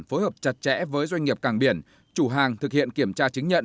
phối hợp chặt chẽ với doanh nghiệp cảng biển chủ hàng thực hiện kiểm tra chứng nhận